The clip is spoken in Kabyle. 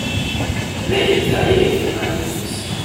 D ayen teɛya deg temɛayin-is.